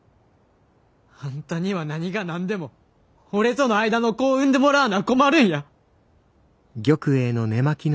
あんたには何が何でも俺との間の子を産んでもらわな困るんや！